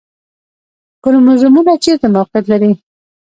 کروموزومونه چیرته موقعیت لري؟